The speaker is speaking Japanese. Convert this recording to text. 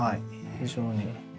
非常に。